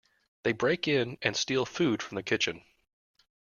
They break in and steal food from the kitchen.